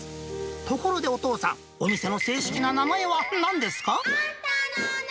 ところでお父さん、お店の正式な名前はなんですか？